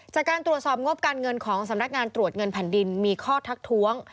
จากการตรวจสอบงบการเงินของสำนักงานตรวจเงินแผ่นดินมีข้อทักท้วง